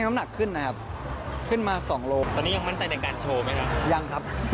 น้ำหนักขึ้นมานิดนึง